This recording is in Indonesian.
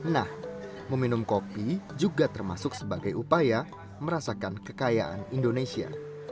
nah meminum kopi juga termasuk sebagai upaya merasakan kekayaan indonesia